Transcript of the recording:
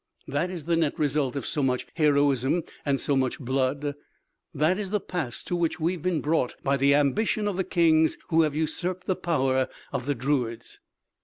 That is the net result of so much heroism and so much blood! That is the pass to which we have been brought by the ambition of the kings, who usurped the power of the druids!"